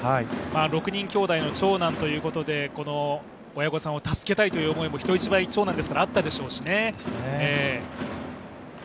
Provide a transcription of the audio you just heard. ６人きょうだいの長男ということで親御さんを助けたいという思いも人一倍あったでしょうしね。